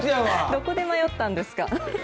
どこで迷ったんですか。